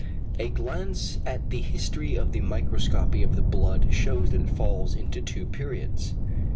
A glance at the history of the microscopy of the blood shews that it falls into two periods.